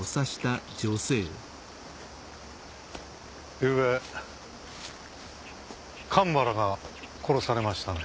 ゆうべ神原が殺されましたね。